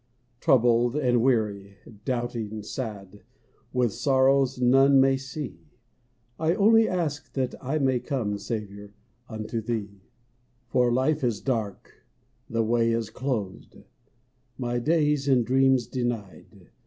ROUBLED and weary, doubting, sad, With sorrows none may see, I only ask that I may come, Saviour ! unto Thee. For hfe is dark, the way is closed ; My days and dreams denied.